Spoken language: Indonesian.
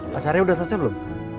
mas hary udah selesai belum